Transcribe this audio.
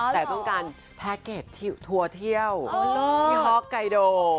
แต่ต้องการแพ็คเกจทัวร์เที่ยวที่ฮอกไกโด